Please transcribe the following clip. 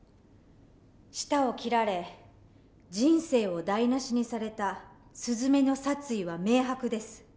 舌を切られ人生を台なしにされたすずめの殺意は明白です。